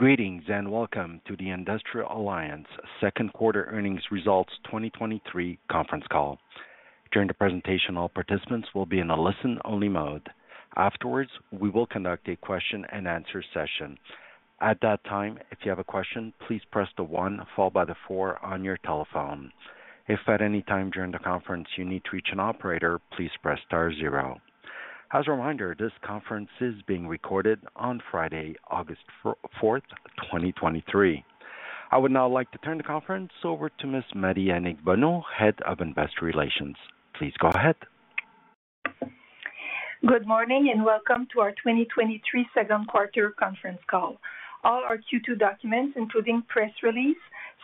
Greetings, welcome to the Industrial Alliance Second Quarter Earnings Results 2023 Conference Call. During the presentation, all participants will be in a listen-only mode. Afterwards, we will conduct a question-and-answer session. At that time, if you have a question, please press the one followed by the four on your telephone. If at any time during the conference you need to reach an operator, please press star zero. As a reminder, this conference is being recorded on Friday, August 4th, 2023. I would now like to turn the conference over to Ms. Marie-Annick Bonneau, Head of Investor Relations. Please go ahead. Good morning, welcome to our 2023 Second Quarter Conference Call. All our Q2 documents, including press release,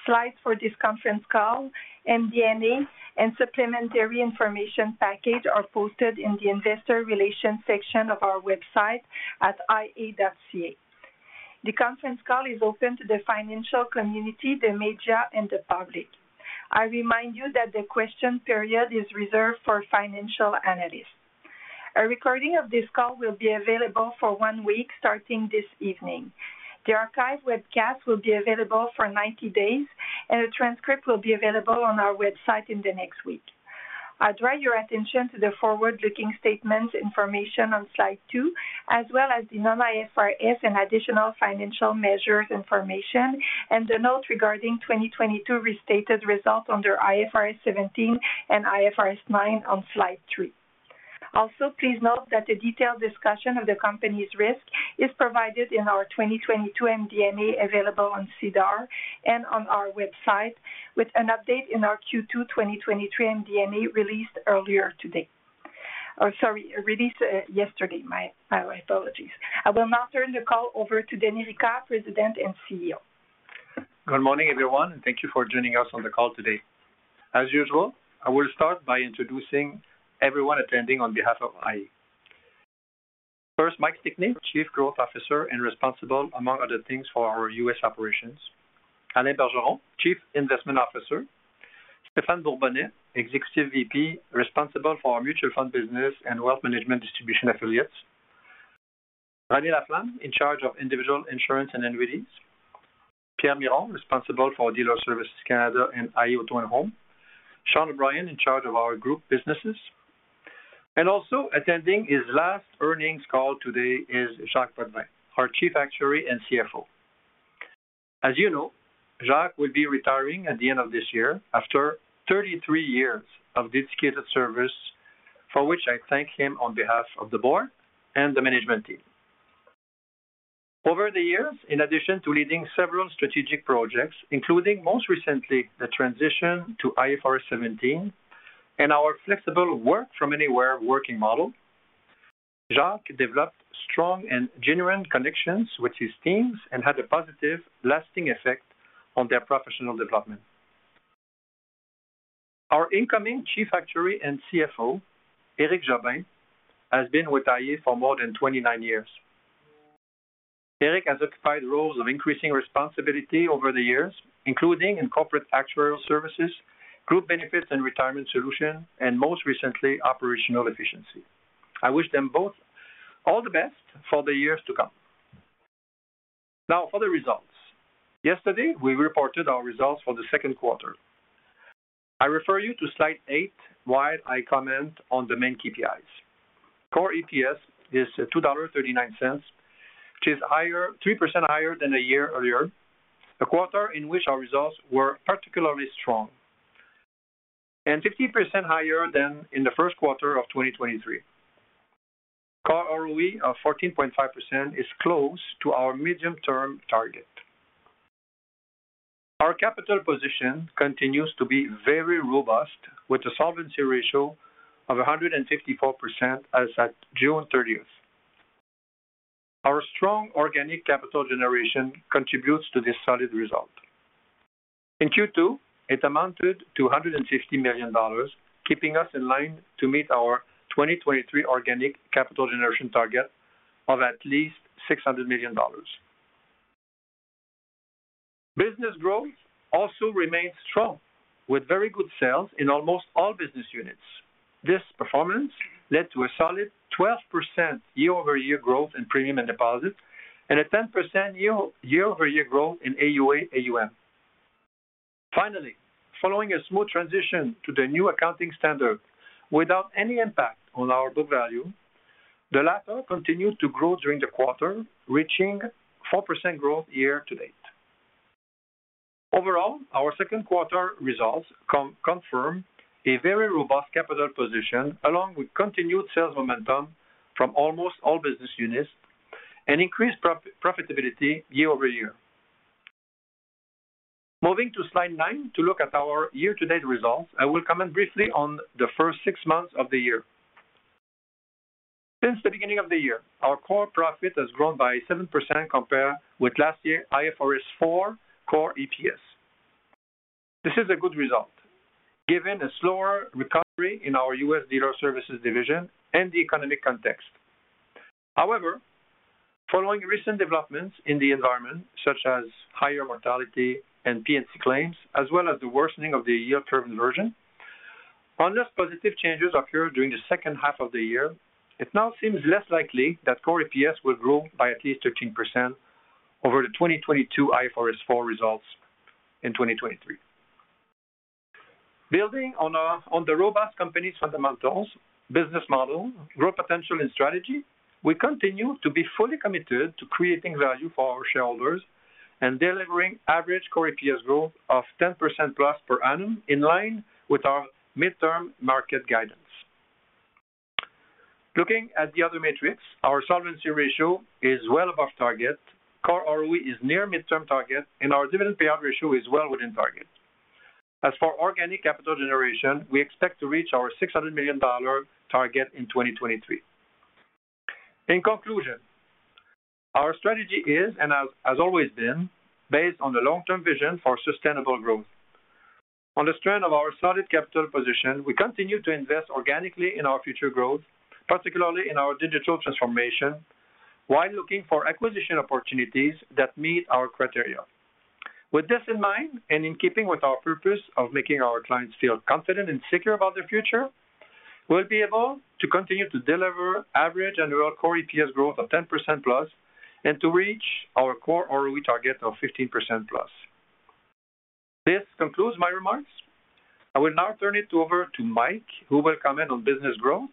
slides for this conference call, MD&A, and supplementary information package, are posted in the investor relations section of our website at ia.ca. The conference call is open to the financial community, the media, and the public. I remind you that the question period is reserved for financial analysts. A recording of this call will be available for one week, starting this evening. The archive webcast will be available for 90 days, and a transcript will be available on our website in the next one week. I draw your attention to the forward-looking statements information on slide two, as well as the non-IFRS and additional financial measures information, and the note regarding 2022 restated results under IFRS 17 and IFRS 9 on slide three. Please note that a detailed discussion of the company's risk is provided in our 2022 MD&A, available on SEDAR and on our website, with an update in our Q2 2023 MD&A released earlier today. Oh, sorry, released, yesterday. My apologies. I will now turn the call over to Denis Ricard, President and CEO. Good morning, everyone, and thank you for joining us on the call today. As usual, I will start by introducing everyone attending on behalf of iA. First, Mike Stickney, Chief Growth Officer and responsible, among other things, for our U.S. operations. Alain Bergeron, Chief Investment Officer. Stephan Bourbonnais, Executive VP, responsible for our mutual fund business and wealth management distribution affiliates. Renée Laflamme, in charge of individual insurance and annuities. Pierre Miron, responsible for Dealer Services Canada and iA Auto and Home. Sean O'Brien, in charge of our group businesses. Also attending his last earnings call today is Jacques Potvin, our Chief Actuary and CFO. As you know, Jacques will be retiring at the end of this year after 33 years of dedicated service, for which I thank him on behalf of the board and the management team. Over the years, in addition to leading several strategic projects, including, most recently, the transition to IFRS 17 and our flexible work-from-anywhere working model, Jacques developed strong and genuine connections with his teams and had a positive, lasting effect on their professional development. Our incoming Chief Actuary and CFO, Éric Jobin, has been with iA for more than 29 years. Éric has occupied roles of increasing responsibility over the years, including in corporate actuarial services, group benefits and retirement solutions, and most recently, operational efficiency. I wish them both all the best for the years to come. Now for the results. Yesterday, we reported our results for the second quarter. I refer you to slide eight while I comment on the main KPIs. Core EPS is 2.39 dollars, which is higher, 3% higher than a year earlier, a quarter in which our results were particularly strong, and 15% higher than in the first quarter of 2023. Core ROE of 14.5% is close to our medium-term target. Our capital position continues to be very robust, with a solvency ratio of 154% as at June 30th. Our strong organic capital generation contributes to this solid result. In Q2, it amounted to 150 million dollars, keeping us in line to meet our 2023 organic capital generation target of at least CAD 600 million. Business growth also remains strong, with very good sales in almost all business units. This performance led to a solid 12% year-over-year growth in premium and deposits, and a 10% year-over-year growth in AUA/AUM. Finally, following a smooth transition to the new accounting standard without any impact on our book value, the latter continued to grow during the quarter, reaching 4% growth year-to-date. Overall, our second quarter results confirm a very robust capital position, along with continued sales momentum from almost all business units and increased profitability year-over-year. Moving to slide nine to look at our year-to-date results, I will comment briefly on the first six months of the year. Since the beginning of the year, our core profit has grown by 7% compared with last year IFRS 4 Core EPS. This is a good result, given a slower recovery in our U.S. Dealer Services division and the economic context. However, following recent developments in the environment, such as higher mortality and P&C claims, as well as the worsening of the yield curve inversion. Unless positive changes occur during the second half of the year, it now seems less likely that Core EPS will grow by at least 13% over the 2022 IFRS 4 results in 2023. Building on the robust company's fundamentals, business model, growth potential, and strategy, we continue to be fully committed to creating value for our shareholders and delivering average Core EPS growth of 10%+ per annum, in line with our midterm market guidance. Looking at the other metrics, our solvency ratio is well above target. Core ROE is near midterm target, and our dividend payout ratio is well within target. As for organic capital generation, we expect to reach our 600 million dollar target in 2023. In conclusion, our strategy is, and has always been, based on the long-term vision for sustainable growth. On the strength of our solid capital position, we continue to invest organically in our future growth, particularly in our digital transformation, while looking for acquisition opportunities that meet our criteria. With this in mind, and in keeping with our purpose of making our clients feel confident and secure about their future, we'll be able to continue to deliver average annual Core EPS growth of 10%+, and to reach our core ROE target of 15%+. This concludes my remarks. I will now turn it over to Mike, who will comment on business growth.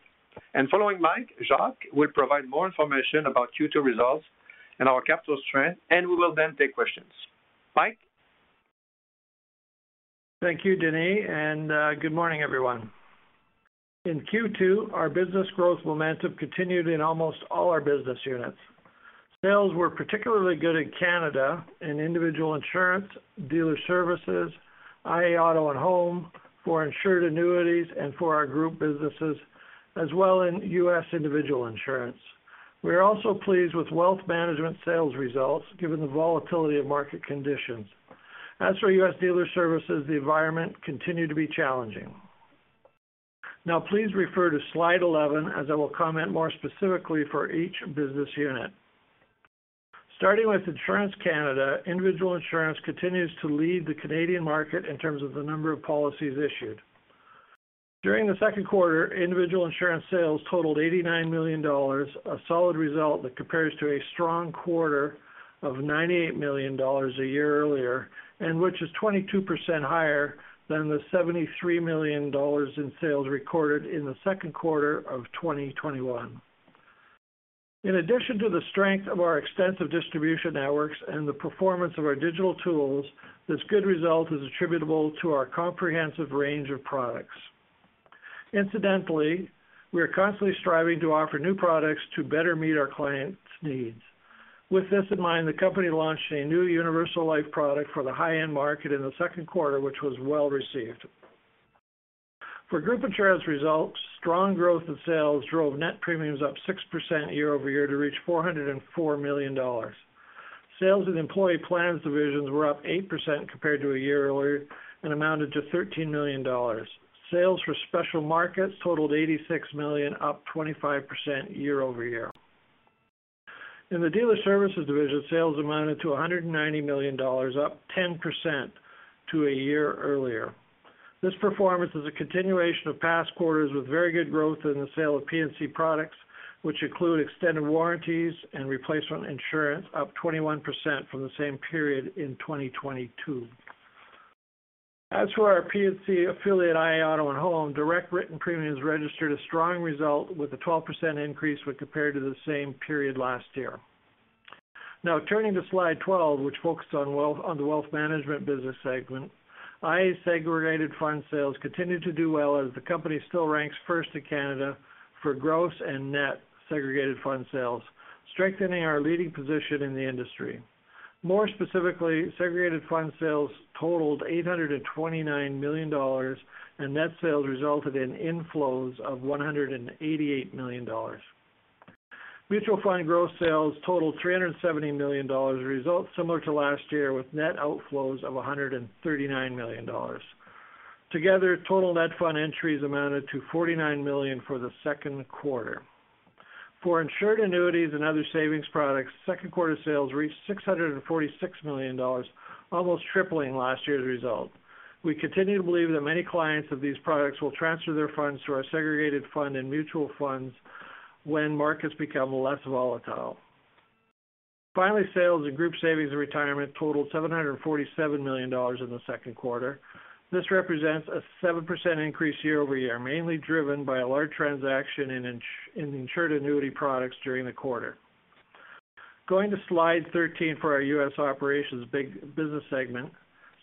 Following Mike, Jacques will provide more information about Q2 results and our capital strength, and we will then take questions. Mike? Thank you, Denis, and good morning, everyone. In Q2, our business growth momentum continued in almost all our business units. Sales were particularly good in Canada, in individual insurance, dealer services, iA Auto and Home, for insured annuities and for our group businesses, as well in U.S. individual insurance. We are also pleased with wealth management sales results, given the volatility of market conditions. As for U.S. Dealer Services, the environment continued to be challenging. Now, please refer to slide 11, as I will comment more specifically for each business unit. Starting with Insurance Canada, individual insurance continues to lead the Canadian market in terms of the number of policies issued. During the second quarter, individual insurance sales totaled 89 million dollars, a solid result that compares to a strong quarter of 98 million dollars a year earlier, and which is 22% higher than the 73 million dollars in sales recorded in the second quarter of 2021. In addition to the strength of our extensive distribution networks and the performance of our digital tools, this good result is attributable to our comprehensive range of products. Incidentally, we are constantly striving to offer new products to better meet our clients' needs. With this in mind, the company launched a new universal life product for the high-end market in the second quarter, which was well received. For group insurance results, strong growth in sales drove net premiums up 6% year-over-year to reach 404 million dollars. Sales in employee plans divisions were up 8% compared to a year earlier and amounted to 13 million dollars. Sales for special markets totaled 86 million, up 25% year-over-year. In the dealer services division, sales amounted to 190 million dollars, up 10% to a year earlier. This performance is a continuation of past quarters with very good growth in the sale of P&C products, which include extended warranties and replacement insurance, up 21% from the same period in 2022. As for our P&C affiliate, iA Auto and Home, direct written premiums registered a strong result with a 12% increase when compared to the same period last year. Now, turning to slide 12, which focuses on wealth, on the wealth management business segment. iA segregated fund sales continued to do well, as the company still ranks first in Canada for gross and net segregated fund sales, strengthening our leading position in the industry. More specifically, segregated fund sales totaled 829 million dollars, and net sales resulted in inflows of 188 million dollars. Mutual fund gross sales totaled 370 million dollars, a result similar to last year, with net outflows of 139 million dollars. Together, total net fund entries amounted to 49 million for the second quarter. For insured annuities and other savings products, second quarter sales reached 646 million dollars, almost tripling last year's result. We continue to believe that many clients of these products will transfer their funds to our segregated fund and mutual funds when markets become less volatile. Sales in group savings and retirement totaled 747 million dollars in the 2Q. This represents a 7% increase year-over-year, mainly driven by a large transaction in insured annuity products during the quarter. Going to slide 13 for our U.S. operations big business segment.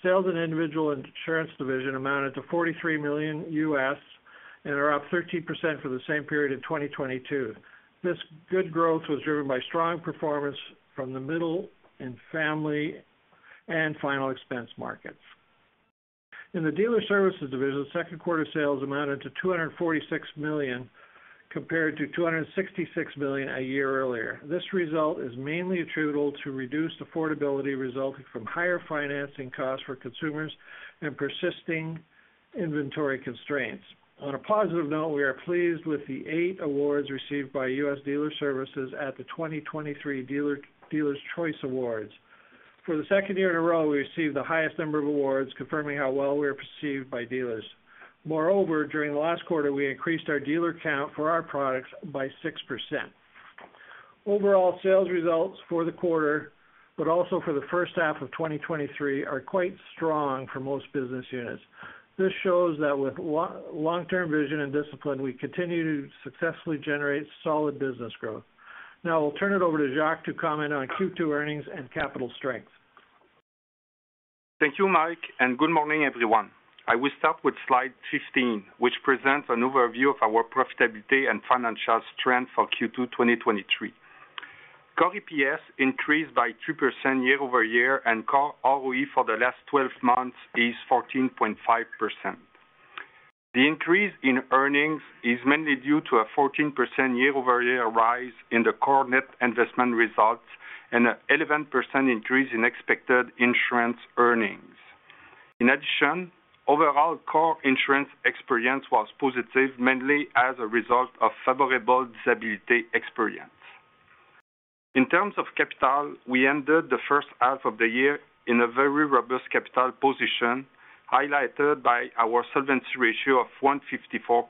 Sales in individual insurance division amounted to 43 million and are up 13% for the same period in 2022. This good growth was driven by strong performance from the middle and family and final expense markets. In the U.S. Dealer Services division, 2Q sales amounted to 246 million, compared to 266 million a year earlier. This result is mainly attributable to reduced affordability resulting from higher financing costs for consumers and persisting inventory constraints. On a positive note, we are pleased with the eight awards received by U.S. Dealer Services at the 2023 Dealers' Choice Awards. For the second year in a row, we received the highest number of awards, confirming how well we are perceived by dealers. Moreover, during the last quarter, we increased our dealer count for our products by 6%. Overall, sales results for the quarter, but also for the first half of 2023, are quite strong for most business units. This shows that with long-term vision and discipline, we continue to successfully generate solid business growth. Now I'll turn it over to Jacques to comment on Q2 earnings and capital strength. Thank you, Mike, and good morning, everyone. I will start with slide 15, which presents an overview of our profitability and financial strength for Q2, 2023. Core EPS increased by 2% year-over-year, and core ROE for the last 12 months is 14.5%. The increase in earnings is mainly due to a 14% year-over-year rise in the core net investment result and an 11% increase in expected insurance earnings. In addition, overall core insurance experience was positive, mainly as a result of favorable disability experience. In terms of capital, we ended the first half of the year in a very robust capital position, highlighted by our solvency ratio of 154%.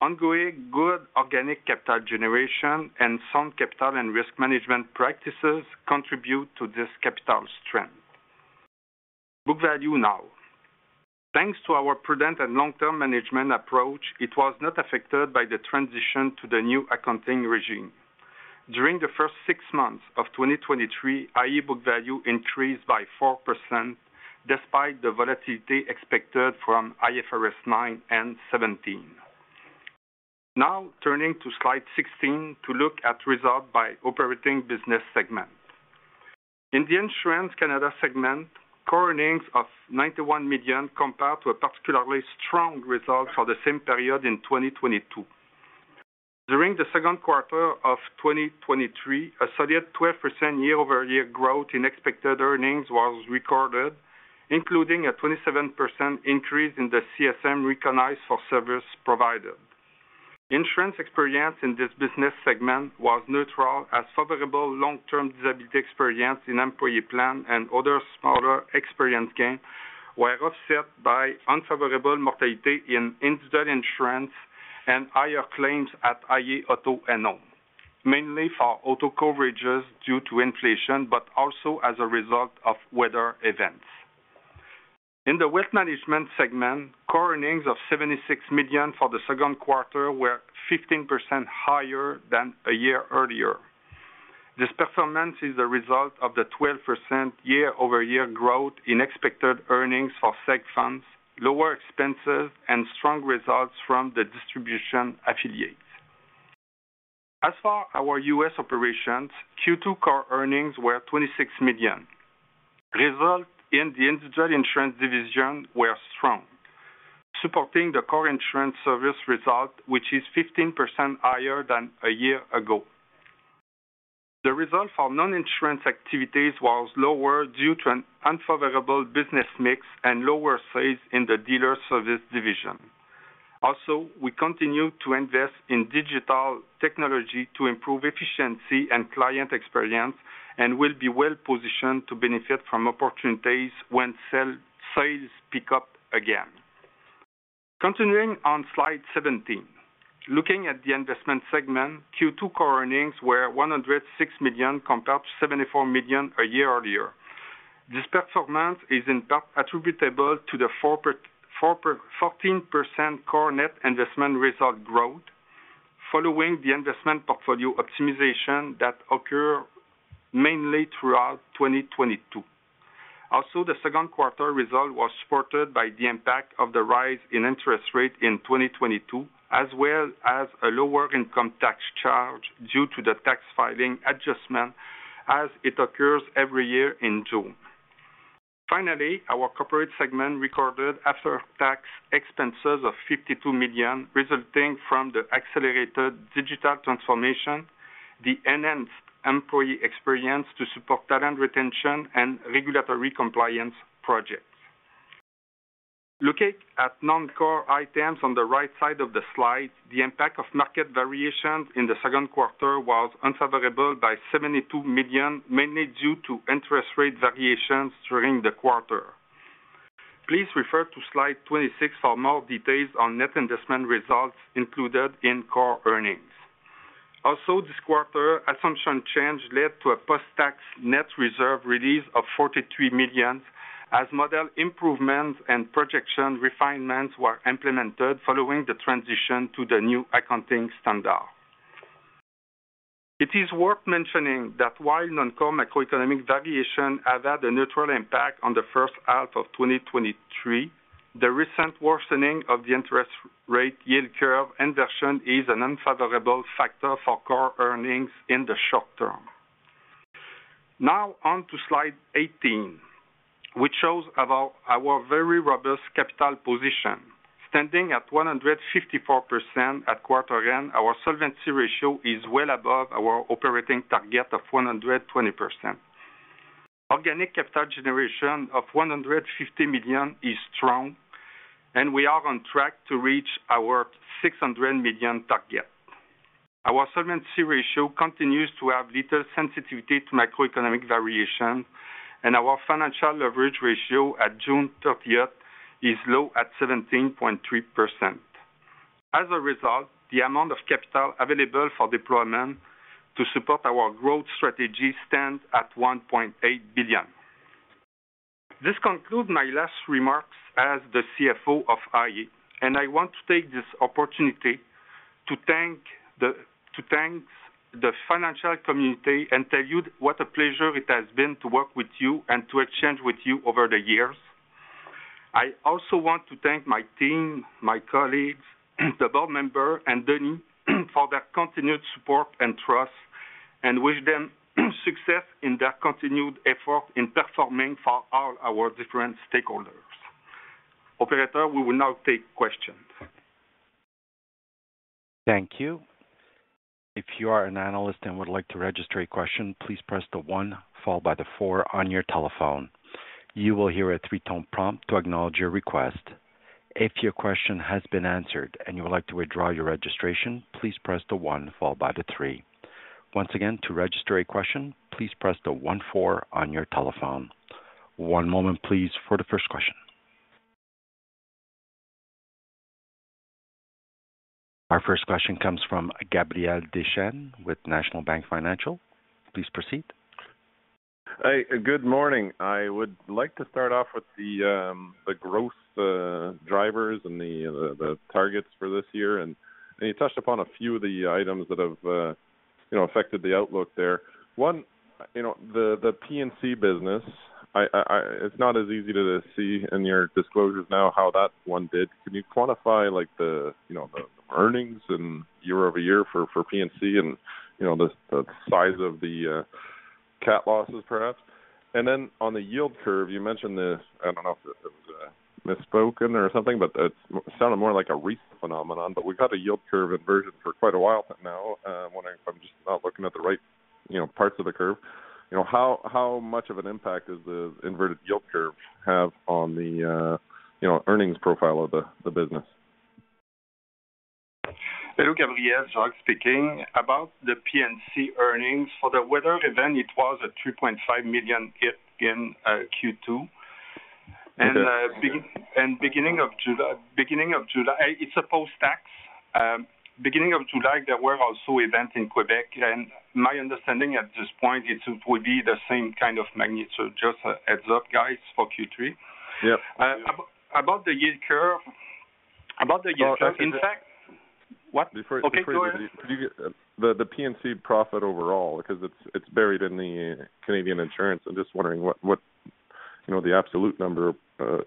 Ongoing good organic capital generation and sound capital and risk management practices contribute to this capital strength. Book value now. Thanks to our prudent and long-term management approach, it was not affected by the transition to the new accounting regime. During the first six months of 2023, iA book value increased by 4%, despite the volatility expected from IFRS 9 and 17. Turning to slide 16 to look at results by operating business segment. In the Insurance, Canada segment, core earnings of 91 million compared to a particularly strong result for the same period in 2022. During the second quarter of 2023, a solid 12% year-over-year growth in expected earnings was recorded, including a 27% increase in the CSM recognized for service provided. Insurance experience in this business segment was neutral, as favorable long-term disability experience in employee plan and other smaller experience gain were offset by unfavorable mortality in individual insurance and higher claims at iA Auto and Home, mainly for auto coverages due to inflation, but also as a result of weather events. In the wealth management segment, core earnings of 76 million for the second quarter were 15% higher than a year earlier. This performance is a result of the 12% year-over-year growth in expected earnings for seg funds, lower expenses, and strong results from the distribution affiliates. As for our U.S. operations, Q2 core earnings were 26 million. Results in the individual insurance division were strong, supporting the core insurance service result, which is 15% higher than a year ago. The result for non-insurance activities was lower due to an unfavorable business mix and lower sales in the dealer service division. We continue to invest in digital technology to improve efficiency and client experience and will be well positioned to benefit from opportunities when sales pick up again. Continuing on slide 17. Looking at the investment segment, Q2 core earnings were 106 million, compared to 74 million a year earlier. This performance is in part attributable to the 14% core net investment result growth following the investment portfolio optimization that occurred mainly throughout 2022. The second quarter result was supported by the impact of the rise in interest rate in 2022, as well as a lower income tax charge due to the tax filing adjustment as it occurs every year in June. Finally, our corporate segment recorded after-tax expenses of 52 million, resulting from the accelerated digital transformation, the enhanced employee experience to support talent retention and regulatory compliance projects. Looking at non-core items on the right side of the slide, the impact of market variations in the second quarter was unfavorable by 72 million, mainly due to interest rate variations during the quarter. Please refer to slide 26 for more details on net investment results included in core earnings. Also, this quarter, assumption change led to a post-tax net reserve release of 43 million, as model improvements and projection refinements were implemented following the transition to the new accounting standard. It is worth mentioning that while non-core macroeconomic variation had had a neutral impact on the first half of 2023, the recent worsening of the interest rate yield curve inversion is an unfavorable factor for core earnings in the short term. On to slide 18, which shows about our very robust capital position. Standing at 154% at quarter end, our solvency ratio is well above our operating target of 120%. Organic capital generation of 150 million is strong, and we are on track to reach our 600 million target. Our solvency ratio continues to have little sensitivity to macroeconomic variation, and our financial leverage ratio at June 30th is low at 17.3%. As a result, the amount of capital available for deployment to support our growth strategy stands at 1.8 billion. This concludes my last remarks as the CFO of iA, and I want to take this opportunity to thank the, to thank the financial community and tell you what a pleasure it has been to work with you and to exchange with you over the years. I also want to thank my team, my colleagues, the board member, and Denis, for their continued support and trust, and wish them success in their continued effort in performing for all our different stakeholders. Operator, we will now take questions. Thank you. If you are an analyst and would like to register a question, please press the one followed by the four on your telephone. You will hear a three-tone prompt to acknowledge your request. If your question has been answered and you would like to withdraw your registration, please press the one followed by the three. Once again, to register a question, please press the one, four on your telephone. One moment, please, for the first question. Our first question comes from Gabriel Dechaine with National Bank Financial. Please proceed. Hi, good morning. I would like to start off with the growth drivers and the, the, the targets for this year. You touched upon a few of the items that have, you know, affected the outlook there. One, you know, the, the P&C business, it's not as easy to see in your disclosures now how that one did. Can you quantify, like, the, you know, the earnings and year-over-year for P&C and, you know the size of the cat losses, perhaps? Then on the yield curve, you mentioned this, I don't know if this was misspoken or something, but it sounded more like a recent phenomenon. We've had a yield curve inversion for quite a while now. I'm wondering if I'm just not looking at the right, you know, parts of the curve. You know, how much of an impact does the inverted yield curve have on the, you know, earnings profile of the business? Hello, Gabriel, Jacques speaking. About the P&C earnings, for the weather event, it was a 3.5 million hit in Q2. Okay. Beginning of July, it's a posttax. Beginning of July, there were also events in Quebec, and my understanding at this point, it would be the same kind of magnitude. Just a heads-up, guys, for Q3. Yeah. About the yield curve, about the yield curve. Oh, in fact- What? Okay, go ahead. The, the P&C profit overall, because it's, it's buried in the Canadian insurance. I'm just wondering what, what, you know, the absolute number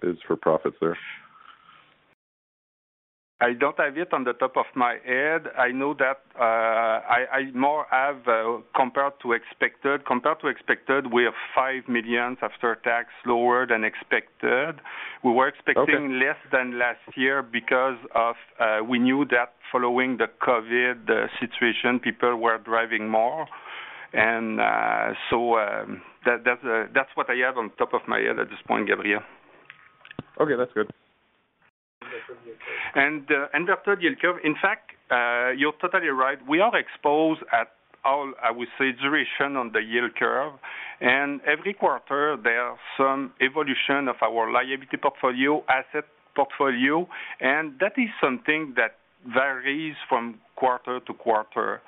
is for profits there? I don't have it on the top of my head. I know that, I more have, compared to expected. Compared to expected, we have 5 million after tax, lower than expected. Okay. We were expecting less than last year because of, we knew that following the COVID situation, people were driving more. That, that's, that's what I have on top of my head at this point, Gabriel. Okay, that's good. Inverted yield curve. In fact, you're totally right. We are exposed at all, I would say, duration on the yield curve, and every quarter there are some evolution of our liability portfolio, asset portfolio, and that is something that varies from quarter to quarter.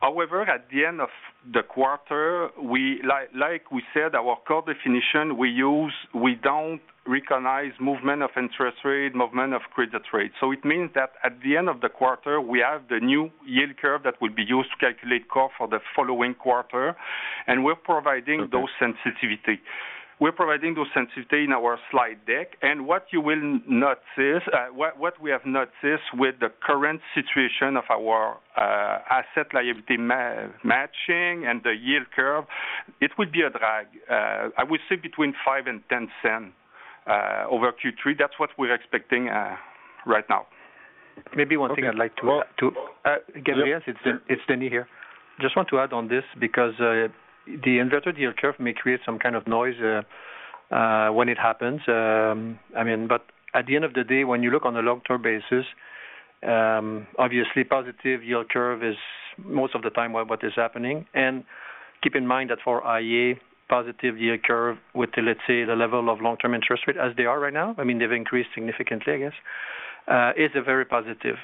However, at the end of the quarter, we like, like we said, our core definition we use, we don't recognize movement of interest rate, movement of credit rate. It means that at the end of the quarter, we have the new yield curve that will be used to calculate cost for the following quarter, and we're providing those sensitivity. Okay. We're providing those sensitivity in our slide deck. What you will notice, what we have noticed with the current situation of our asset liability matching and the yield curve, it would be a drag. I would say between 0.05 and 0.10 over Q3. That's what we're expecting right now. Maybe one thing I'd like Gabriel, it's Denis here. Just want to add on this because the inverted yield curve may create some kind of noise when it happens. I mean, but at the end of the day, when you look on a long-term basis, obviously, positive yield curve is most of the time what, what is happening. Keep in mind that for iA, positive yield curve with, let's say, the level of long-term interest rate as they are right now, I mean, they've increased significantly, I guess, is a very positive.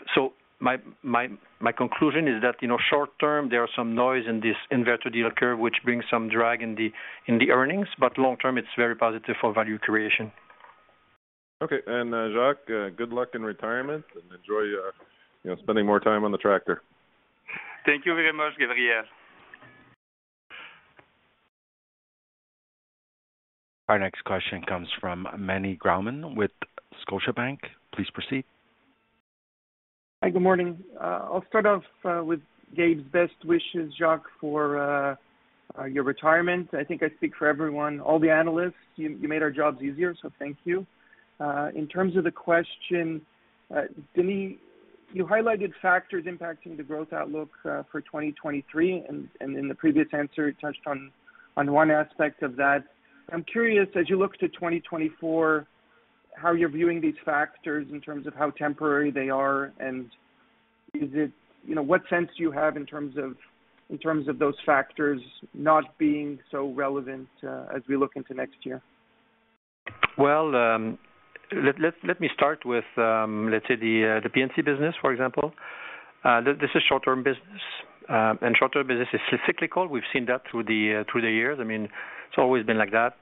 My conclusion is that, you know, short term, there are some noise in this inverted yield curve, which brings some drag in the, in the earnings, but long term, it's very positive for value creation. Okay. Jacques, good luck in retirement, and enjoy, you know, spending more time on the tractor. Thank you very much, Gabriel. Our next question comes from Meny Grauman with Scotiabank. Please proceed. Hi, good morning. I'll start off with Gabe's best wishes, Jacques, for your retirement. I think I speak for everyone, all the analysts, you, you made our jobs easier, so thank you. In terms of the question, Denis, you highlighted factors impacting the growth outlook for 2023, and in the previous answer, you touched on one aspect of that. I'm curious, as you look to 2024, how you're viewing these factors in terms of how temporary they are, you know, what sense do you have in terms of those factors not being so relevant as we look into next year? Well, let me start with, let's say, the P&C business, for example. This is short-term business, and short-term business is cyclical. We've seen that through the years. I mean, it's always been like that.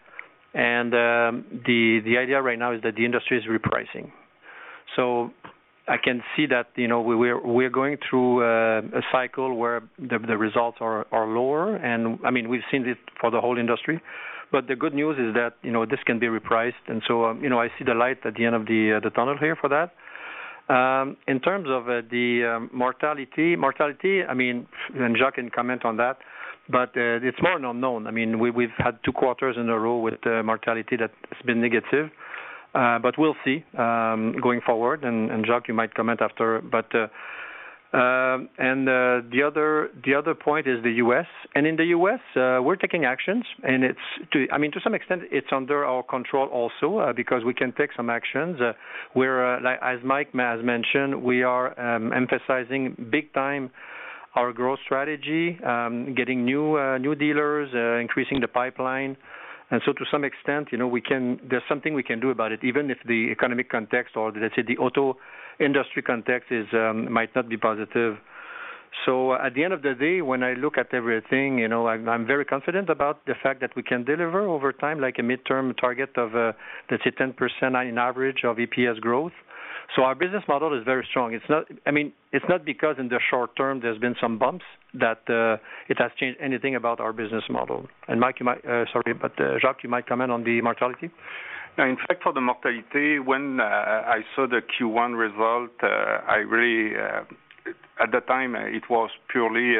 The idea right now is that the industry is repricing. I can see that, you know, we're going through a cycle where the results are lower, and, I mean, we've seen this for the whole industry. The good news is that, you know, this can be repriced, and so, you know, I see the light at the end of the tunnel here for that. In terms of the mortality, mortality, I mean, and Jacques can comment on that, but it's more an unknown. I mean, we've had two quarters in a row with mortality that has been negative, but we'll see going forward. Jacques, you might comment after. The other point is the U.S., and in the U.S., we're taking actions, and it's to I mean, to some extent it's under our control also, because we can take some actions. We're like as Mike has mentioned, we are emphasizing big time our growth strategy, getting new new dealers, increasing the pipeline. So to some extent, you know, we can there's something we can do about it, even if the economic context or, let's say, the auto industry context is might not be positive. At the end of the day, when I look at everything, you know, I'm, I'm very confident about the fact that we can deliver over time, like a midterm target of, let's say, 10% in average of EPS growth. Our business model is very strong. It's not, I mean, it's not because in the short term there's been some bumps, that, it has changed anything about our business model. Mike, you might, sorry, but, Jacques, you might comment on the mortality? Yeah. In fact, for the mortality, when I saw the Q1 result, I really, at the time, it was purely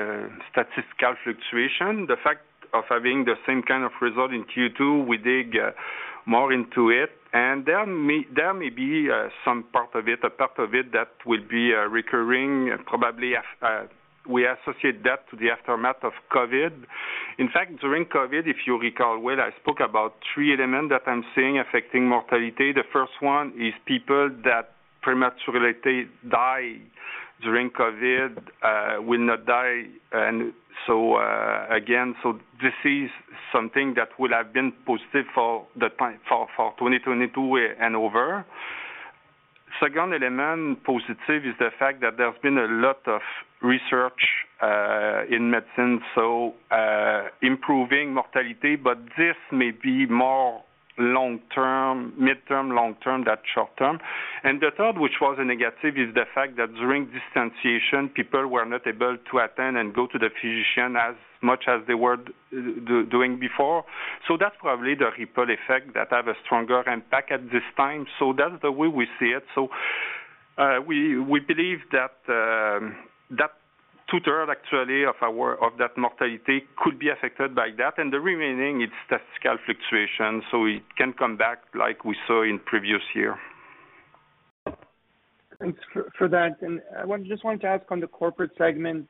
statistical fluctuation. The fact of having the same kind of result in Q2, we dig more into it, and there may, there may be some part of it, a part of it that will be recurring, probably we associate that to the aftermath of COVID. In fact, during COVID, if you recall, well, I spoke about three elements that I'm seeing affecting mortality. The first one is people that prematurely died during COVID, will not die. Again, this is something that would have been positive for the time, for, for 2022 and over. Second element positive is the fact that there's been a lot of research, in medicine, so, improving mortality, but this may be more long term, midterm, long term, than short term. The third, which was a negative, is the fact that during distanciation, people were not able to attend and go to the physician as much as they were doing before. That's probably the ripple effect that have a stronger impact at this time. That's the way we see it. We, we believe that, that 2/3 actually of our, of that mortality could be affected by that, and the remaining, it's statistical fluctuation, so it can come back like we saw in previous year. Thanks for, for that. I want, just wanted to ask on the corporate segment,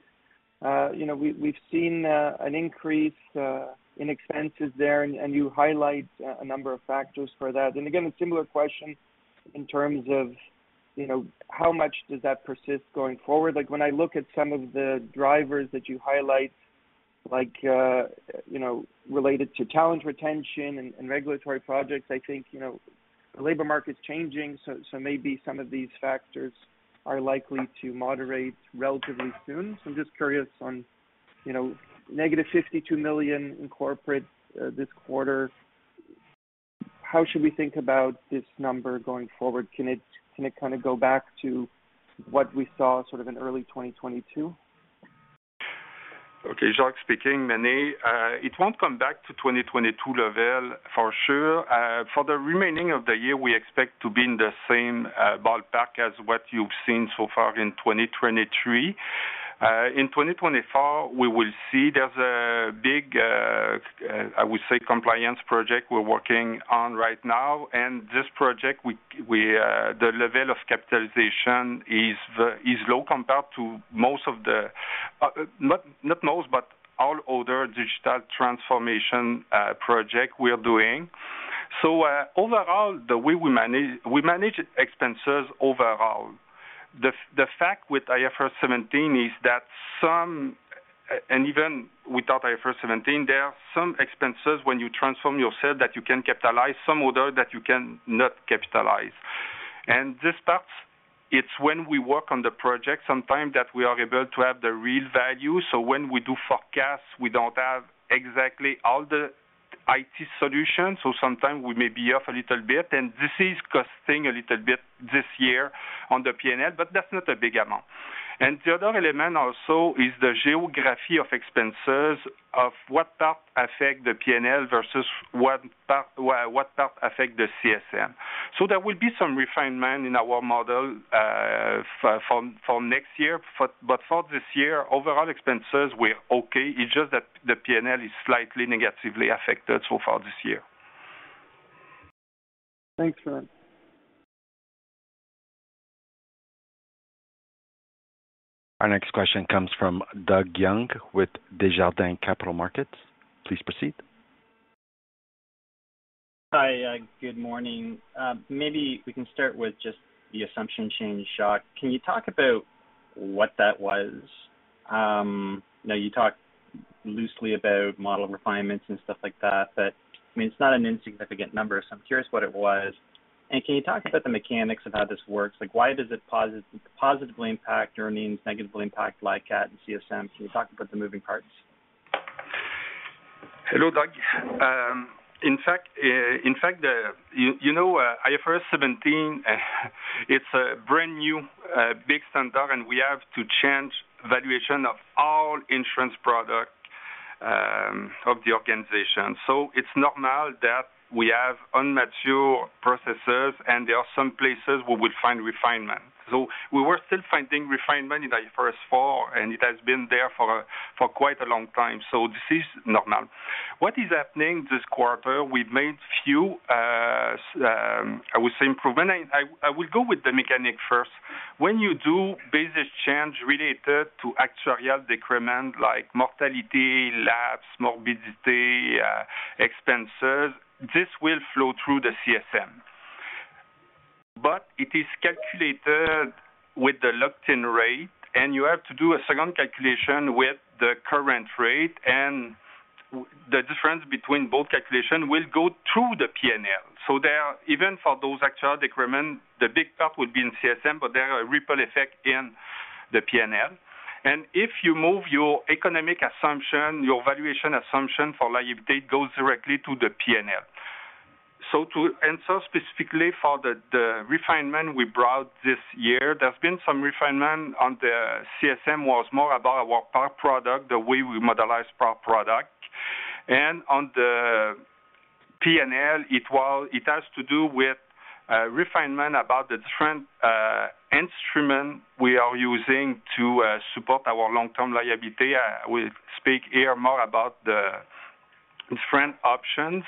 you know, we, we've seen an increase in expenses there, and, and you highlight a number of factors for that. Again, a similar question in terms of, you know, how much does that persist going forward? Like, when I look at some of the drivers that you highlight, like, you know, related to talent retention and, and regulatory projects, I think, you know, the labor market's changing, so, so maybe some of these factors are likely to moderate relatively soon. I'm just curious on, you know, -52 million in corporate this quarter, how should we think about this number going forward? Can it, can it kind of go back to what we saw sort of in early 2022? Okay, Jacques speaking, Meny. It won't come back to 2022 level, for sure. For the remaining of the year, we expect to be in the same ballpark as what you've seen so far in 2023. In 2024, we will see. There's a big, I would say, compliance project we're working on right now, this project we, we, the level of capitalization is low compared to most of the, not, not most, but all other digital transformation, project we are doing. Overall, the way we manage, we manage expenses overall. The, the fact with IFRS 17 is that some, and even without IFRS 17, there are some expenses when you transform yourself, that you can capitalize, some other that you cannot capitalize. This part, it's when we work on the project, sometimes that we are able to have the real value. When we do forecasts, we don't have exactly all the IT solutions, so sometimes we may be off a little bit, this is costing a little bit this year on the P&L, that's not a big amount. The other element also is the geography of expenses, of what part affect the P&L versus what part affect the CSM. There will be some refinement in our model for next year. For this year, overall expenses, we're okay. It's just that the P&L is slightly negatively affected so far this year. Thanks, man. Our next question comes from Doug Young with Desjardins Capital Markets. Please proceed. Hi, good morning. Maybe we can start with just the assumption change, Jacques. Can you talk about what that was? Now you talked loosely about model refinements and stuff like that, but, I mean, it's not an insignificant number, so I'm curious what it was. Can you talk about the mechanics of how this works? Like, why does it positively impact earnings, negatively impact LICAT and CSM? Can you talk about the moving parts? Hello, Doug. In fact, in fact, the, you know, IFRS 17, it's a brand-new, big standard, and we have to change valuation of all insurance products, of the organization. It's not now that we have unmature processes and there are some places where we'll find refinement. We were still finding refinement in the first four, and it has been there for, for quite a long time. This is normal. What is happening this quarter, we've made few, I would say, improvement. I will go with the mechanic first. When you do business change related to actuarial decrement, like mortality, lapses, morbidity, expenses, this will flow through the CSM. It is calculated with the locked-in rate, and you have to do a second calculation with the current rate, and the difference between both calculations will go through the P&L. There, even for those actuarial decrement, the big part will be in CSM, but there are a ripple effect in the P&L. If you move your economic assumption, your valuation assumption for liability goes directly to the P&L. To answer specifically for the, the refinement we brought this year, there's been some refinement on the CSM, was more about our par product, the way we modelize par product. On the P&L, it has to do with refinement about the different instrument we are using to support our long-term liability. I will speak here more about the different options.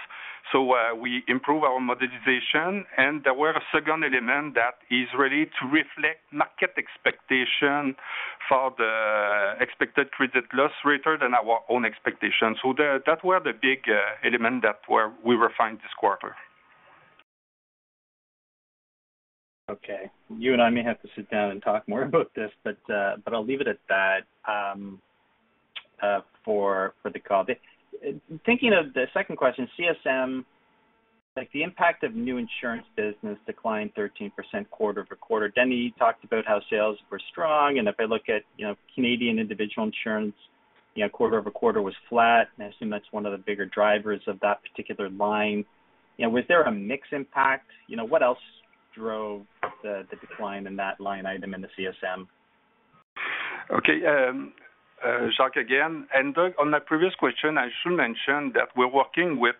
We improve our modelization, and there were a second element that is ready to reflect market expectation for the expected credit loss rate than our own expectation. That were the big element that were we refined this quarter. Okay. You and I may have to sit down and talk more about this, I'll leave it at that for the call. Thinking of the second question, CSM, like, the impact of new insurance business declined 13% quarter-over-quarter. Denis, you talked about how sales were strong, and if I look at, you know, Canadian individual insurance, you know, quarter-over-quarter was flat, and I assume that's one of the bigger drivers of that particular line. You know, was there a mix impact? You know, what else drove the, the decline in that line item in the CSM? Okay, Jacques again. Doug, on the previous question, I should mention that we're working with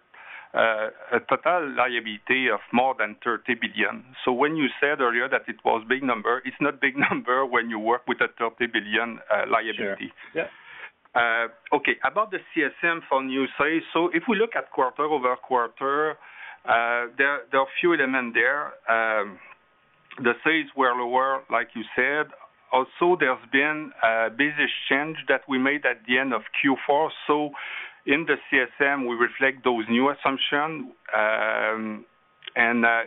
a total liability of more than 30 billion. When you said earlier that it was big number, it's not big number when you work with a 30 billion liability. Sure. Yep. Okay, about the CSM for new sales, if we look at quarter-over-quarter, there, there are few element there. The sales were lower, like you said. Also, there's been a business change that we made at the end of Q4. In the CSM, we reflect those new assumption, and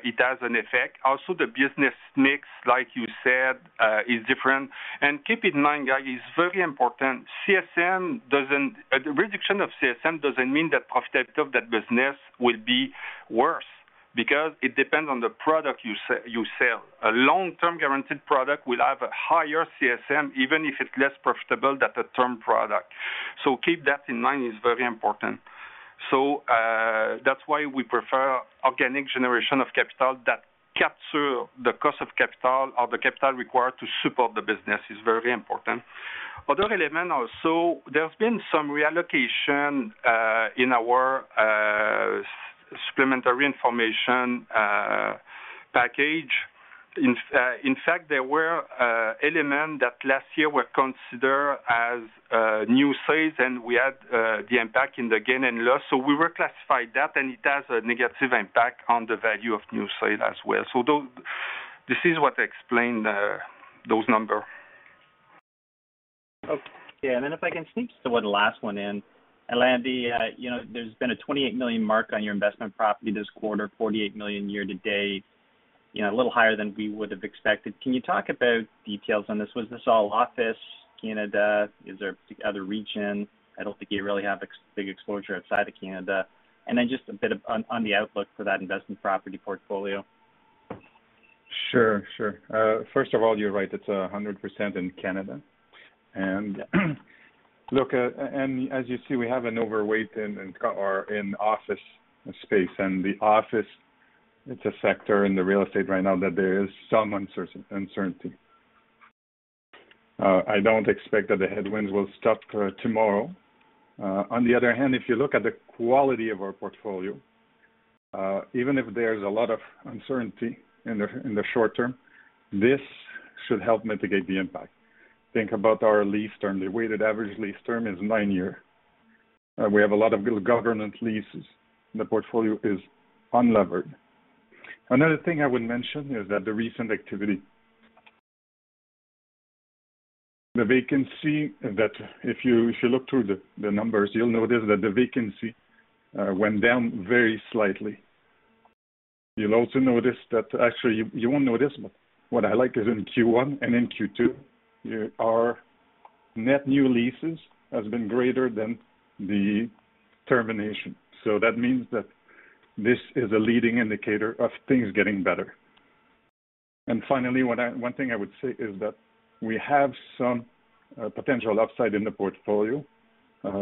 it has an effect. Also, the business mix, like you said, is different. Keep in mind, guys, it's very important, CSM doesn't. A reduction of CSM doesn't mean that profitability of that business will be worse, because it depends on the product you sell. A long-term guaranteed product will have a higher CSM, even if it's less profitable than a term product. Keep that in mind, it's very important. That's why we prefer organic generation of capital that capture the cost of capital or the capital required to support the business. It's very important. Other element also, there's been some reallocation in our supplementary information package. In fact, there were element that last year were considered as new sales, and we had the impact in the gain and loss. We reclassified that, and it has a negative impact on the value of new sale as well. This is what explain those number. Okay. Then if I can sneak just one last one in, Andy, you know, there's been a 28 million mark on your investment property this quarter, 48 million year to date, you know, a little higher than we would have expected. Can you talk about details on this? Was this all office, Canada? Is there other region? I don't think you really have big exposure outside of Canada. Then just a bit of on the outlook for that investment property portfolio. Sure, sure. First of all, you're right, it's 100% in Canada. Look, and as you see, we have an overweight in or in office space, and the office, it's a sector in the real estate right now that there is some uncertainty. I don't expect that the headwinds will stop tomorrow. On the other hand, if you look at the quality of our portfolio, even if there's a lot of uncertainty in the, in the short term, this should help mitigate the impact. Think about our lease term. The weighted average lease term is nine years. We have a lot of good government leases. The portfolio is unlevered. Another thing I would mention is that the recent activity, the vacancy, that if you, if you look through the numbers, you'll notice that the vacancy went down very slightly. You'll also notice that actually, you won't notice, but what I like is in Q1 and in Q2, our net new leases has been greater than the termination. That means that this is a leading indicator of things getting better. Finally, what I one thing I would say is that we have some potential upside in the portfolio.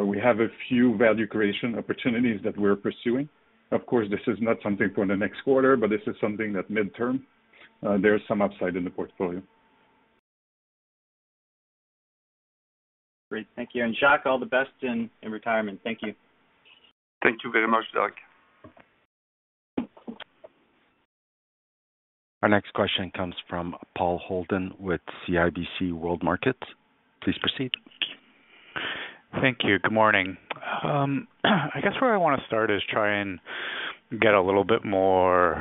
We have a few value creation opportunities that we're pursuing. Of course, this is not something for the next quarter, but this is something that midterm, there is some upside in the portfolio. Great. Thank you. Jacques, all the best in, in retirement. Thank you. Thank you very much, Doug. Our next question comes from Paul Holden with CIBC World Markets. Please proceed. Thank you. Good morning. I guess where I want to start is try and get a little bit more,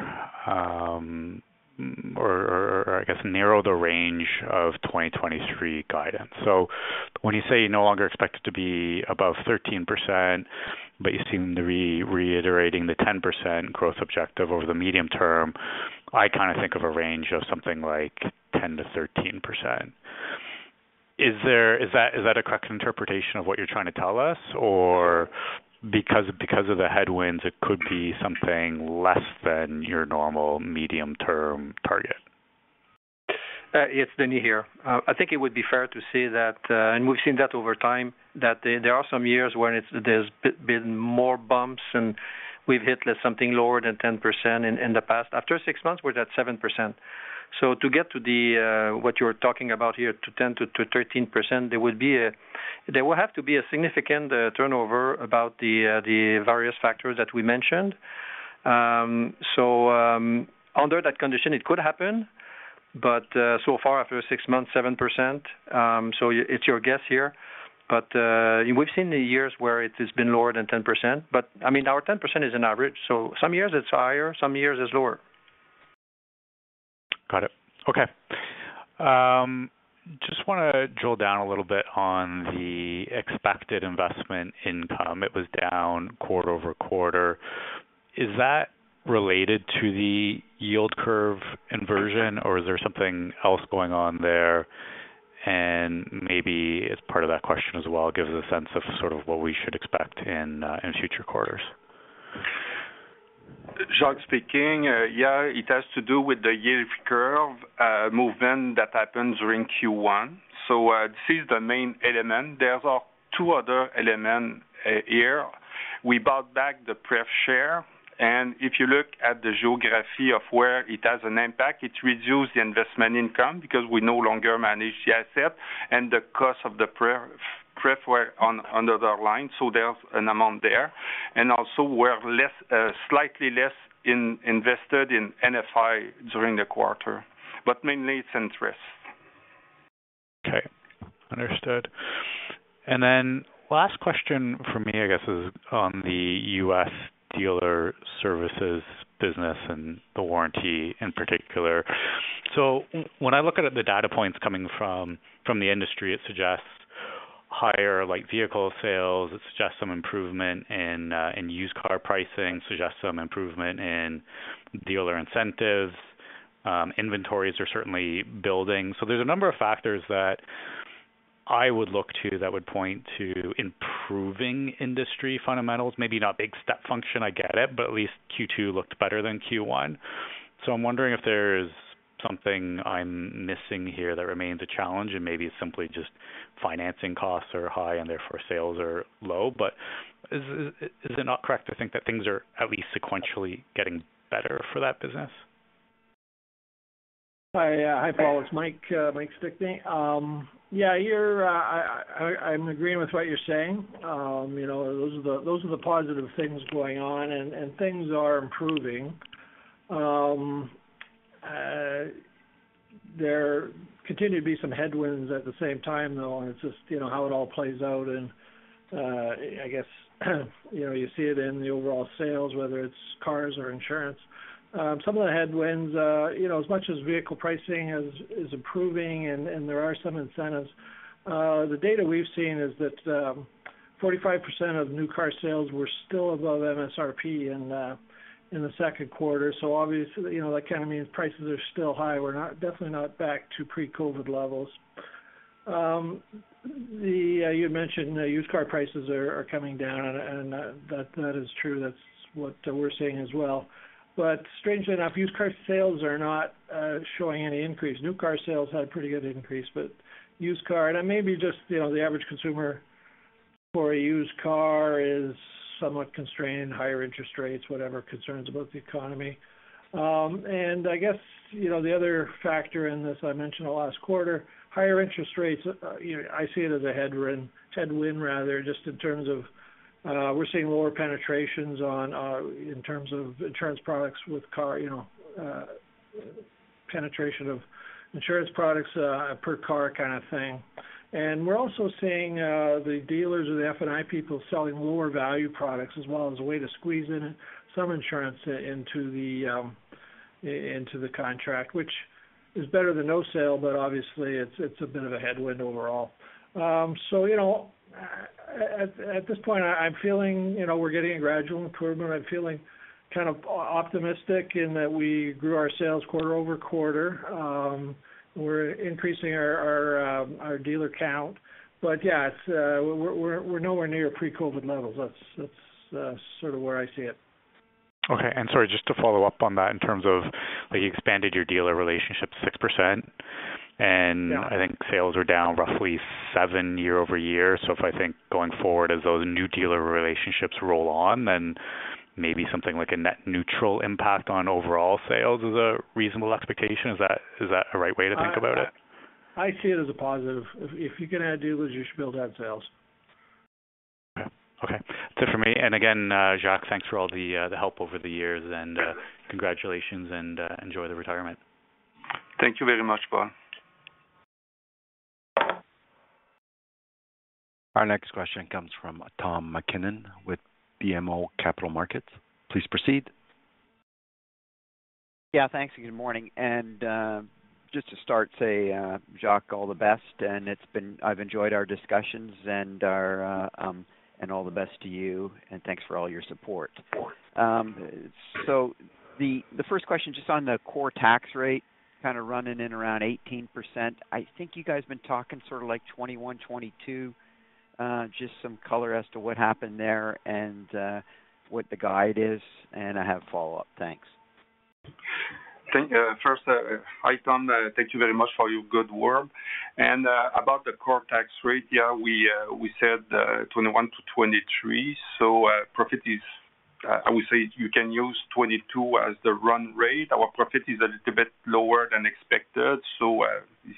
or, I guess, narrow the range of 2023 guidance. So when you say you no longer expect it to be above 13%, but you seem to be reiterating the 10% growth objective over the medium term, I kinda think of a range of something like 10%-13%. Is that a correct interpretation of what you're trying to tell us? Or because of the headwinds, it could be something less than your normal medium-term target? It's Denis here. I think it would be fair to say that, and we've seen that over time, that there, there are some years where there's b- been more bumps, and we've hit something lower than 10% in, in the past. After six months, we're at 7%. To get to the, what you're talking about here, to 10% to 13%, there will have to be a significant turnover about the various factors that we mentioned. Under that condition, it could happen, but, so far, after six months, 7%, so yeah- it's your guess here. We've seen the years where it has been lower than 10%. I mean, our 10% is an average, so some years it's higher, some years it's lower. Got it. Okay. Just wanna drill down a little bit on the expected investment income. It was down quarter-over-quarter. Is that related to the yield curve inversion, or is there something else going on there? Maybe as part of that question as well, give us a sense of sort of what we should expect in future quarters. Yeah, it has to do with the yield curve movement that happened during Q1. This is the main element. There are two other element here. We bought back the pref share. If you look at the geography of where it has an impact, it reduced the investment income because we no longer manage the asset. The cost of the pref were under the line. There's an amount there. Also, we're less, slightly less invested in NFI during the quarter. Mainly it's interest. Okay, understood. Last question from me, I guess, is on the U.S. Dealer Services business and the warranty in particular. When I look at the data points coming from, from the industry, it suggests higher light vehicle sales. It suggests some improvement in used car pricing, suggests some improvement in dealer incentives. Inventories are certainly building. There's a number of factors that I would look to that would point to improving industry fundamentals. Maybe not big step function, I get it, but at least Q2 looked better than Q1. I'm wondering if there's something I'm missing here that remains a challenge, and maybe it's simply just financing costs are high and therefore sales are low. Is it not correct to think that things are at least sequentially getting better for that business? Hi, Paul. It's Mike, Mike Stickney. Yeah, you're, I'm agreeing with what you're saying. You know, those are the, those are the positive things going on, and, and things are improving. There continue to be some headwinds at the same time, though, and it's just, you know, how it all plays out. I guess, you know, you see it in the overall sales, whether it's cars or insurance. Some of the headwinds, you know, as much as vehicle pricing is, is improving, and, and there are some incentives, the data we've seen is that 45% of new car sales were still above MSRP in the second quarter. Obviously, you know, that kind of means prices are still high. We're not, definitely not back to pre-COVID levels. The, you had mentioned, used car prices are, are coming down and that is true. That's what we're seeing as well. Strangely enough, used car sales are not showing any increase. New car sales had a pretty good increase, but used car... It may be just, you know, the average consumer for a used car is somewhat constrained, higher interest rates, whatever concerns about the economy. I guess, you know, the other factor in this, I mentioned the last quarter, higher interest rates, you know, I see it as a headwind, headwind rather, just in terms of, we're seeing lower penetrations on, in terms of insurance products with car, you know,... penetration of insurance products, per car kind of thing. We're also seeing the dealers or the F&I people selling lower value products as well as a way to squeeze in some insurance into the contract, which is better than no sale, but obviously, it's a bit of a headwind overall. You know, at this point, I'm feeling, you know, we're getting a gradual improvement. I'm feeling kind of optimistic in that we grew our sales quarter-over-quarter. We're increasing our dealer count. Yeah, it's, we're nowhere near pre-COVID levels. That's sort of where I see it. Okay. Sorry, just to follow up on that, in terms of, like, you expanded your dealer relationship 6%, and- Yeah. I think sales are down roughly seven year-over-year. If I think going forward, as those new dealer relationships roll on, then maybe something like a net neutral impact on overall sales is a reasonable expectation. Is that a right way to think about it? I, I see it as a positive. If you can add dealers, you should be able to add sales. Okay. Okay. That's it for me. Again, Jacques, thanks for all the help over the years. Sure. And congratulations, and enjoy the retirement. Thank you very much, Paul. Our next question comes from Tom MacKinnon with BMO Capital Markets. Please proceed. Yeah, thanks, good morning. Just to start, say, Jacques, all the best, I've enjoyed our discussions and our, and all the best to you, and thanks for all your support. The first question, just on the core tax rate kind of running in around 18%, I think you guys have been talking sort of like 21%, 22%. Just some color as to what happened there and what the guide is. I have a follow-up. Thanks. Thank you. First, hi, Tom. Thank you very much for your good work. About the core tax rate, yeah, we, we said, 21%-23%, profit is, I would say you can use 22% as the run rate. Our profit is a little bit lower than expected, reality,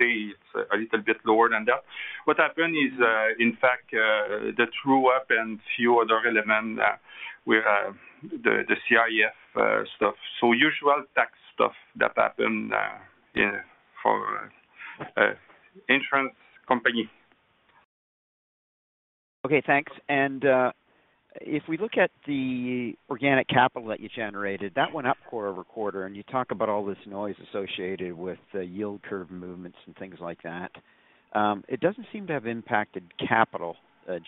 it's a little bit lower than that. What happened is, in fact, the true up and few other elements, we have the CIF stuff. Usual tax stuff that happened, yeah, for insurance company. Okay, thanks. If we look at the organic capital that you generated, that went up quarter-over-quarter, and you talk about all this noise associated with the yield curve movements and things like that. It doesn't seem to have impacted capital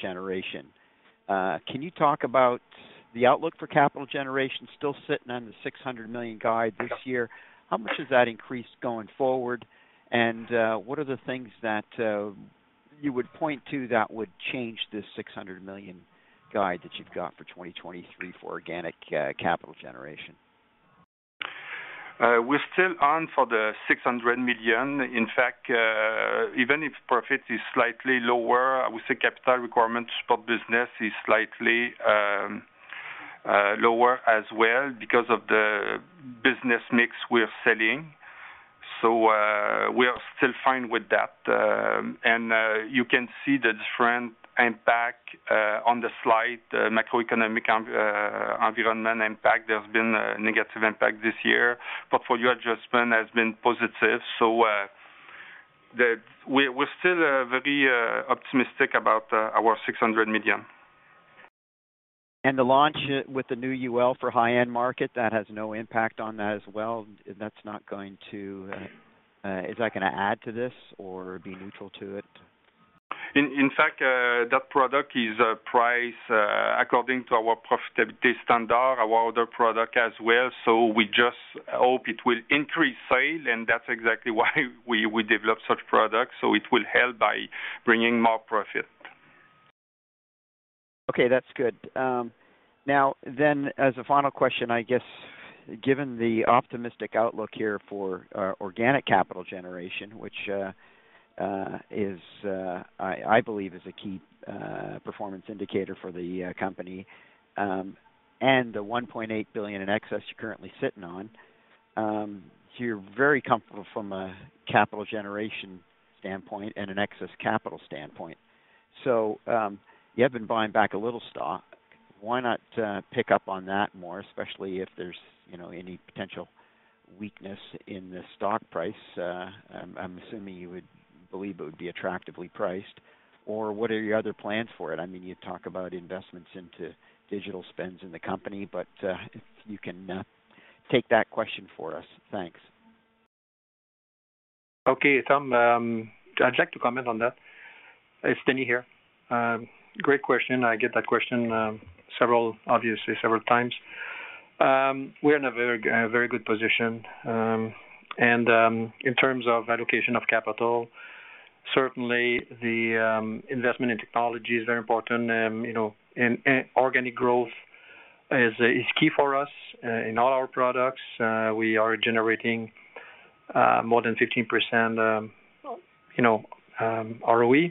generation. Can you talk about the outlook for capital generation still sitting on the 600 million guide this year? How much does that increase going forward, what are the things that you would point to that would change this 600 million guide that you've got for 2023 for organic capital generation? We're still on for the 600 million. In fact, even if profit is slightly lower, I would say capital requirements for business is slightly lower as well because of the business mix we're selling. We are still fine with that. You can see the different impact on the slide, the macroeconomic environment impact. There's been a negative impact this year. Portfolio adjustment has been positive, we're still very optimistic about our 600 million. The launch with the new UL for high-end market, that has no impact on that as well? Is that gonna add to this or be neutral to it? In, in fact, that product is priced according to our profitability standard, our other product as well. We just hope it will increase sale, and that's exactly why we, we develop such products. It will help by bringing more profit. Okay, that's good. Now then, as a final question, I guess, given the optimistic outlook here for organic capital generation, which is, I believe is a key performance indicator for the company, and the 1.8 billion in excess you're currently sitting on, you're very comfortable from a capital generation standpoint and an excess capital standpoint. You have been buying back a little stock. Why not pick up on that more, especially if there's, you know, any potential weakness in the stock price? I'm assuming you would believe it would be attractively priced, or what are your other plans for it? I mean, you talk about investments into digital spends in the company, but if you can take that question for us. Thanks. Okay, Tom MacKinnon, I'd like to comment on that. It's Denis here. Great question. I get that question, several, obviously, several times. We're in a very, very good position. In terms of allocation of capital, certainly the investment in technology is very important. You know, and organic growth is key for us in all our products. We are generating more than 15%, you know, ROE.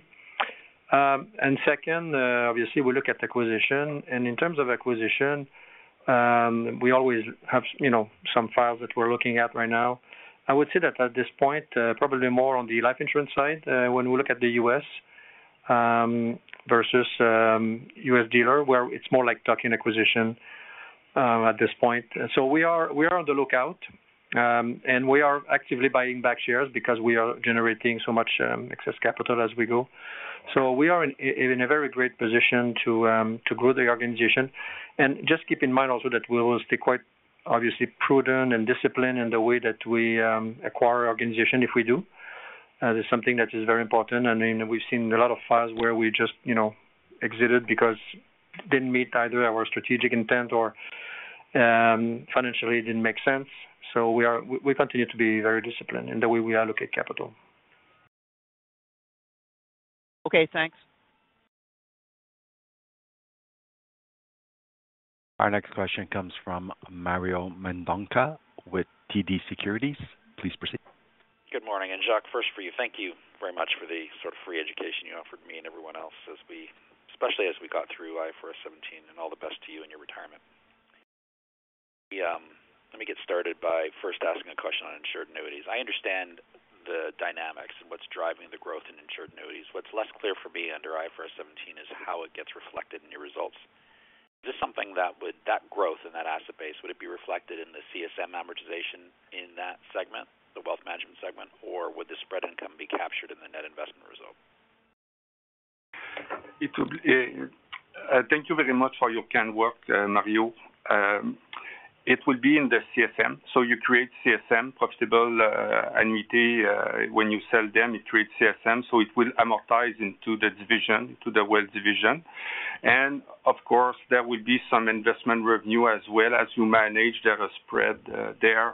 Second, obviously, we look at acquisition, and in terms of acquisition, we always have, you know, some files that we're looking at right now. I would say that at this point, probably more on the life insurance side, when we look at the U.S. Versus U.S. Dealer, where it's more like tuck-in acquisition at this point. We are, we are on the lookout, and we are actively buying back shares because we are generating so much excess capital as we go. We are in, in a very great position to grow the organization. Just keep in mind also that we will stay quite obviously prudent and disciplined in the way that we acquire organization if we do. That's something that is very important, and then we've seen a lot of files where we just, you know, exited because didn't meet either our strategic intent or financially, it didn't make sense. We, we continue to be very disciplined in the way we allocate capital. Okay, thanks. Our next question comes from Mario Mendonca with TD Securities. Please proceed. Good morning. Jacques, first for you. Thank you very much for the sort of free education you offered me and everyone else especially as we got through IFRS 17, and all the best to you in your retirement. Let me get started by first asking a question on insured annuities. I understand the dynamics and what's driving the growth in insured annuities. What's less clear for me under IFRS 17 is how it gets reflected in your results. Is this something that growth in that asset base, would it be reflected in the CSM amortization in that segment, the wealth management segment, or would the spread income be captured in the net investment result? It would, thank you very much for your kind work, Mario. It would be in the CSM. You create CSM, profitable annuity. When you sell them, it creates CSM, so it will amortize into the division, to the wealth division. Of course, there will be some investment revenue as well. As you manage, there a spread there,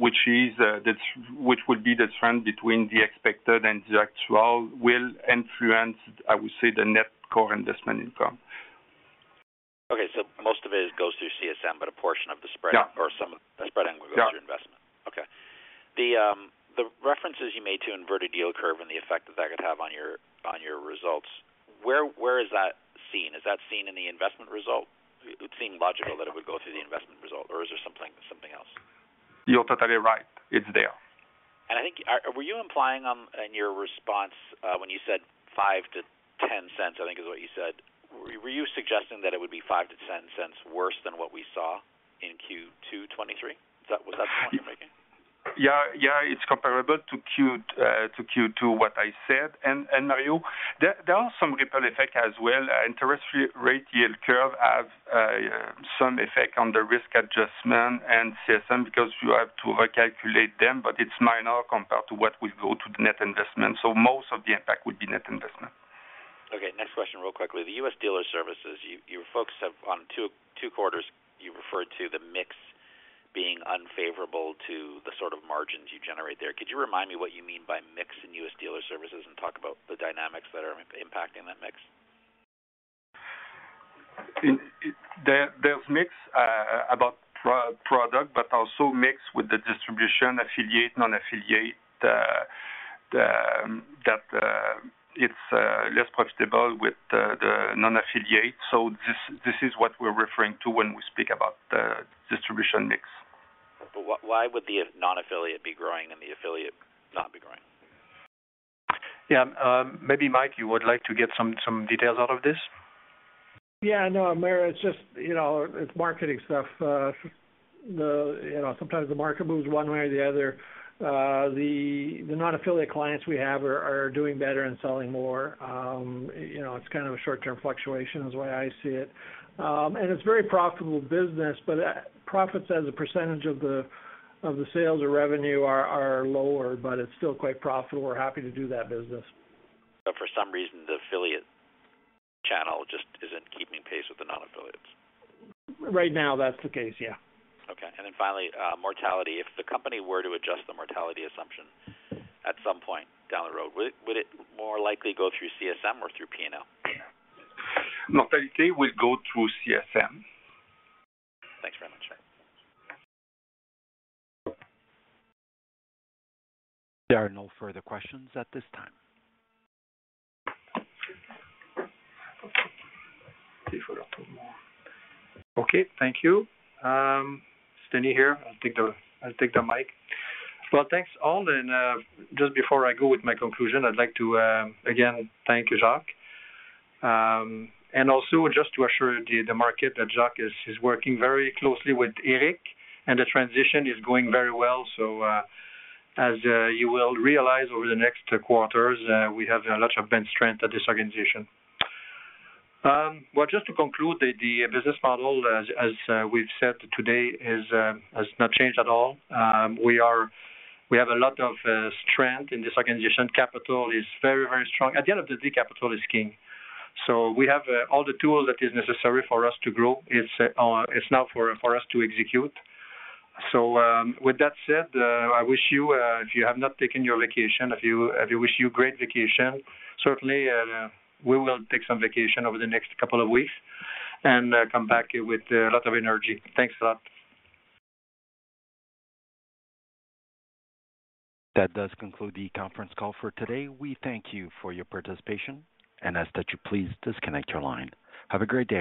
which is the, which would be the trend between the expected and the actual will influence, I would say, the net core investment income. Okay, most of it goes through CSM, a portion of the spread- Yeah. Some of the spread income goes to investment. Yeah. Okay. The, the references you made to inverted yield curve and the effect that could have on your, on your results, where is that seen? Is that seen in the investment result? It would seem logical that it would go through the investment result, or is there something, something else? You're totally right. It's there. I think, were you implying on, in your response, when you said 0.05 to 0.10, I think is what you said, were you suggesting that it would be 0.05 to 0.10 worse than what we saw in Q2 2023? Is that, was that the point you're making? Yeah. Yeah, it's comparable to Q2, what I said. Mario, there are some ripple effect as well. Interest rate, yield curve have some effect on the risk adjustment and CSM because you have to recalculate them, but it's minor compared to what will go to the net investment. Most of the impact would be net investment. Okay, next question, real quickly. The U.S. Dealer Services, you, you folks have on two quarters, you referred to the mix being unfavorable to the sort of margins you generate there. Could you remind me what you mean by mix in U.S. Dealer Services and talk about the dynamics that are impacting that mix? In, there, there's mix about pro-product, but also mix with the distribution affiliate, non-affiliate, the that it's less profitable with the, the non-affiliate. This, this is what we're referring to when we speak about the distribution mix. Why would the non-affiliate be growing and the affiliate not be growing? Yeah, maybe, Mike, you would like to give some, some details out of this. Yeah, no, Mario, it's just, you know, it's marketing stuff. the, you know, sometimes the market moves one way or the other. the, the non-affiliate clients we have are, are doing better and selling more. you know, it's kind of a short-term fluctuation, is the way I see it. It's a very profitable business, but, profits as a percentage of the, of the sales or revenue are, are lower, but it's still quite profitable. We're happy to do that business. For some reason, the affiliate channel just isn't keeping pace with the non-affiliates. Right now, that's the case, yeah. Okay. Then finally, mortality. If the company were to adjust the mortality assumption at some point down the road, would it, would it more likely go through CSM or through P&L? Mortality will go through CSM. Thanks very much, sir. There are no further questions at this time. Okay, thank you. It's Denis here. I'll take the, I'll take the mic. Well, thanks, all, and just before I go with my conclusion, I'd like to again thank you, Jacques. And also just to assure the market that Jacques is working very closely with Éric, and the transition is going very well. As you will realize over the next quarters, we have a lot of bench strength at this organization. Well, just to conclude, the business model, as we've said today is has not changed at all. We have a lot of strength in this organization. Capital is very, very strong. At the end of the day, capital is king. We have all the tool that is necessary for us to grow. It's now for us to execute. With that said, I wish you, if you have not taken your vacation, if you wish you great vacation. Certainly, we will take some vacation over the next couple of weeks and come back with a lot of energy. Thanks a lot. That does conclude the conference call for today. We thank you for your participation and ask that you please disconnect your line. Have a great day.